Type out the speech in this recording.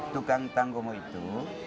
tukang tanggungan itu